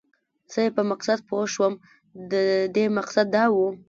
زه یې په مقصد پوه شوم، د دې مقصد دا و.